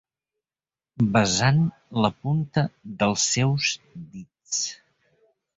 Besant la punta dels seus dits.